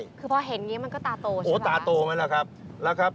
คือพอเห็นอย่างนี้มันก็ตาโตใช่ไหมครับตาโตไหมล่ะครับ